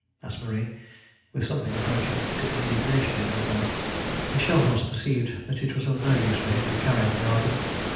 asked Marie, with something approaching to indignation in her voice. Michel Voss perceived that it was of no use for him to carry on the argument.